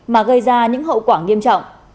mà gây ra những hậu quả nghiêm trọng